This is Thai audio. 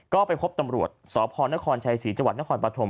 ก็ไปพบตำรวจสพนครชัยศรีจังหวัดนครปฐม